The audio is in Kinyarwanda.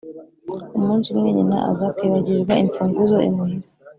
umunsi umwe, nyina aza kwibagirirwa imfunguzo imuhira.